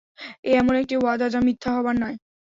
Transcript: এ এমন একটি ওয়াদা যা মিথ্যা হবার নয়।